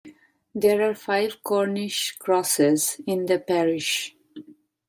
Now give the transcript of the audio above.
There are five Cornish crosses in the parish.